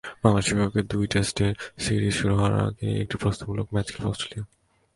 বাংলাদেশের বিপক্ষে দুই টেস্টের সিরিজ শুরু হওয়ার আগে একটি প্রস্তুতিমূলক ম্যাচ খেলবে অস্ট্রেলিয়া।